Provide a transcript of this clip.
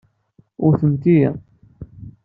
Wwtemt-iyi.